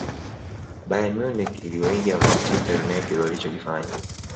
bayern munich iliwaiga manchester united walichokifanya